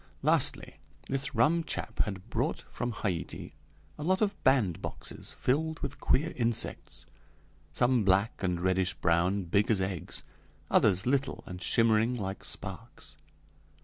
Lastly, this rum chap had brought from Haiti a lot of bandboxes filled with queer insects some black and reddish brown, big as eggs; others little and shimmering like sparks.